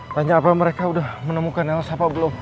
tanya apa mereka udah menemukan elsa apa belum